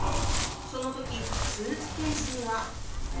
その時スーツケースには。